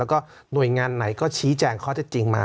แล้วก็หน่วยงานไหนก็ชี้แจงข้อเท็จจริงมา